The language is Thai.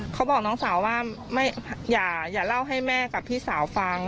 เขาบอกน้องสาวว่าอย่าเล่าให้แม่กับพี่สาวฟัง